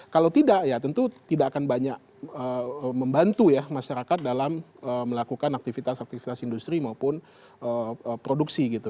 kalau tidak ya tentu tidak akan banyak membantu ya masyarakat dalam melakukan aktivitas aktivitas industri maupun produksi gitu